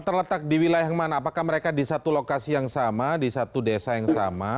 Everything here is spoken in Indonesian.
terletak di wilayah yang mana apakah mereka di satu lokasi yang sama di satu desa yang sama